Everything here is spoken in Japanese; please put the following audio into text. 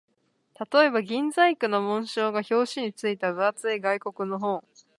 例えば、銀細工の紋章が表紙に付いた分厚い外国の本